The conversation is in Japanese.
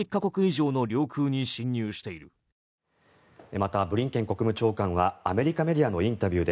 またブリンケン国務長官はアメリカメディアのインタビューで